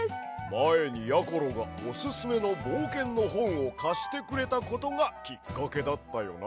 まえにやころがおすすめのぼうけんのほんをかしてくれたことがきっかけだったよな。